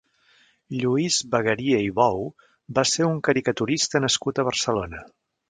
Lluís Bagaria i Bou va ser un caricaturista nascut a Barcelona.